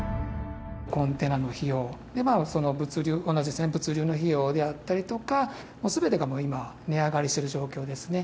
コンテナの費用、その物流の費用であったりとか、すべてがもう今、値上がりしてる状況ですね。